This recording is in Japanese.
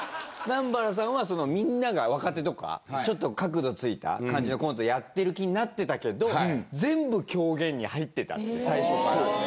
南原さんはみんなが若手とかちょっと角度ついた感じのコントやってる気になってたけど全部狂言に入ってたって最初から。